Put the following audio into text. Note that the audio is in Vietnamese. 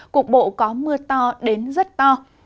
cục bộ có mưa to đến rất to